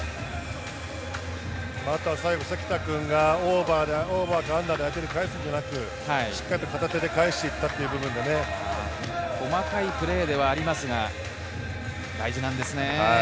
あとは最後、関田君がオーバーでアンダーで相手に返すのではなく、しっかり片手で返して行ったのが細かいプレーではありますが、大事なんですね。